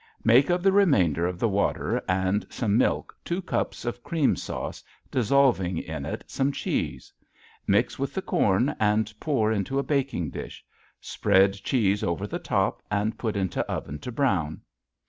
Make of the remainder of the water and some milk two cups of cream sauce dissolving in it some cheese. Mix with the corn and pour into a baking dish. Spread cheese over the top and put into oven to brown."